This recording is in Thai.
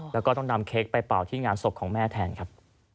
แล้วก็ต้องนำเค้กไปเป่าที่งานศพของแม่แทนครับ